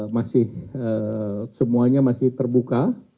masih semuanya masih terbuka